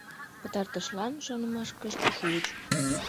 Пытартышлан шонымашкышт шуыч.